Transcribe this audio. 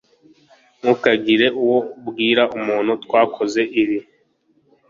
Ntukagire uwo ubwira umuntu twakoze ibi.